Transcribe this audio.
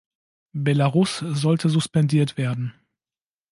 Belarus sollte suspendiert werden.